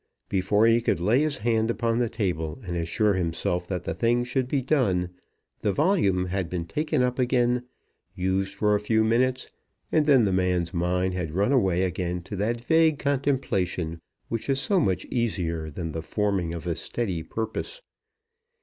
Before he could lay his hand upon the table and assure himself that the thing should be done, the volume had been taken up again, used for a few minutes, and then the man's mind had run away again to that vague contemplation which is so much easier than the forming of a steady purpose.